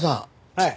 はい。